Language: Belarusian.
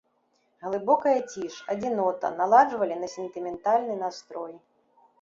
Глыбокая ціш, адзінота наладжвалі на сентыментальны настрой.